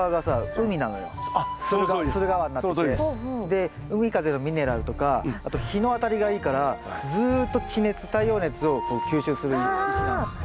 で海風のミネラルとかあと日の当たりがいいからずっと地熱太陽熱を吸収する石なんです。